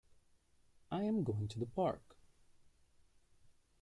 I am going to the Park.